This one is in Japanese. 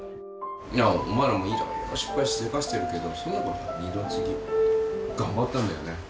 いやお前らもいろいろ失敗しでかしてるけどそんなの二の次。頑張ったんだよね。